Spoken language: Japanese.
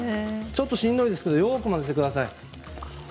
ちょっとしんどいですけれどもよく混ぜてください。